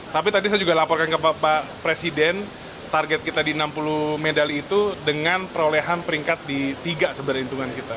tapi tadi saya juga laporkan ke bapak presiden target kita di enam puluh medali itu dengan perolehan peringkat di tiga sebenarnya hitungan kita